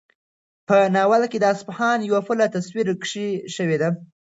په ناول کې د اصفهان د یوه پله تصویرکشي شوې ده.